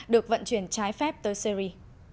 được vận chuyển trái phép tới syri